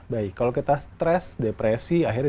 baik kalau kita stres depresi akhirnya